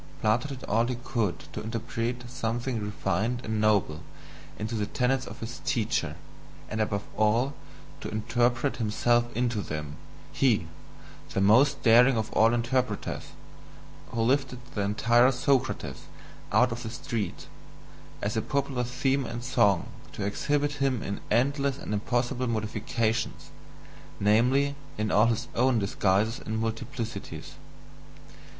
Plato did all he could to interpret something refined and noble into the tenets of his teacher, and above all to interpret himself into them he, the most daring of all interpreters, who lifted the entire Socrates out of the street, as a popular theme and song, to exhibit him in endless and impossible modifications namely, in all his own disguises and multiplicities.